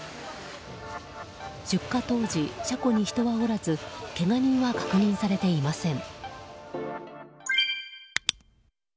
出火当時、車庫に人はおらずけが人は確認されていません。